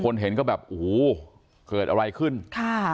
เห็นก็แบบโอ้โหเกิดอะไรขึ้นค่ะ